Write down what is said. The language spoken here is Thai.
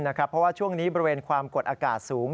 เพราะว่าช่วงนี้บริเวณความกดอากาศสูง